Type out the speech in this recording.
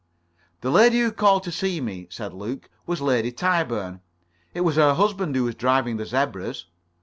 "The lady who called to see me," said Luke, "was Lady Tyburn. It was her husband who was driving the zebras."